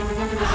aku mau ke rumah